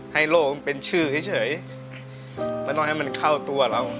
ให้โรคนเป็นชื่อเฉยเพื่อน้อยให้มันเข้าตัวแล้ว